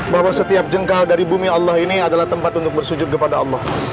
bahwa setiap jengkal dari bumi allah ini adalah tempat untuk bersujud kepada allah